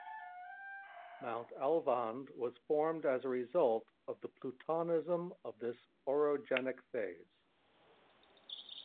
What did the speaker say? Mount Alvand was formed as a result of the plutonism of this orogenic phase.